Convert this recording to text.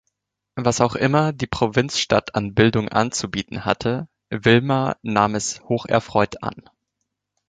Was auch immer die Provinzstadt an Bildung anzubieten hatte, Wilma nahm es hocherfreut an.